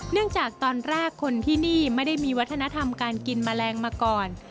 จากตอนแรกคนที่นี่ไม่ได้มีวัฒนธรรมการกินแมลงมาก่อน